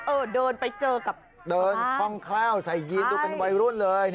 เออเดินไปเจอกับเดินคล่องแคล่วใส่ยีนดูเป็นวัยรุ่นเลย